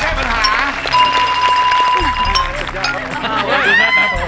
แน่นอนนะครับผม